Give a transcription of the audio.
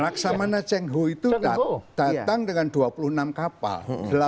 laksamana cheng ho itu datang dengan dua puluh enam kapal